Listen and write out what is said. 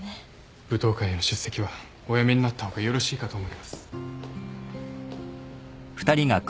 舞踏会への出席はおやめになった方がよろしいかと思います。